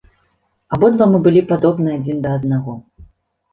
Абодва мы былі падобны адзін да аднаго.